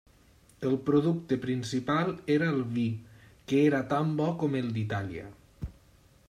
El producte principal era el vi, que era tan bo com el d'Itàlia.